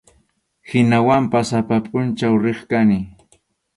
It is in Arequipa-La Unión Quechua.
Hinawanpas sapa pʼunchaw riq kani.